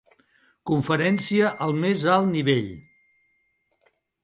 Conferència al més alt nivell.